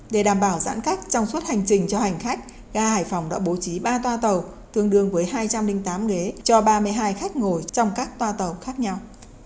để đảm bảo giãn cách trong suốt hành trình cho hành khách ga hải phòng đã bố trí ba toa tàu tương đương với hai trăm linh tám ghế cho ba mươi hai khách ngồi trong các toa tàu khác nhau